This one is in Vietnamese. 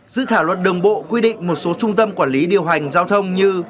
dự thảo luật đường bộ quy định một số trung tâm quản lý điều hành giao thông như